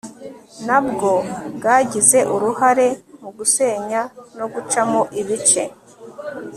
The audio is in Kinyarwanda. na bwo bwagize uruhare mu gusenya no gucamo ibice